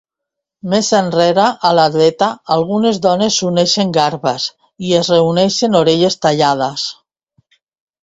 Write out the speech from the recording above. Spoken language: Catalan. Més enrere, a la dreta, algunes dones s'uneixen garbes i es reuneixen orelles tallades.